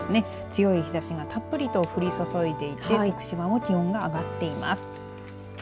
強い日ざしがたっぷりと降り注いでいて徳島も気温が上がっています。